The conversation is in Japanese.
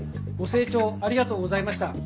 ご清聴ありがとうございました。